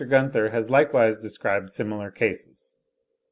Gunther has likewise described similar cases.)